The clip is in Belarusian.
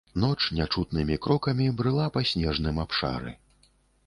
Ноч нячутнымі крокамі брыла па снежным абшары.